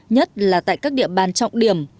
nhất là tại các địa bàn trọng điểm